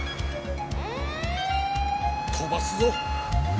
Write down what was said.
飛ばすぞ。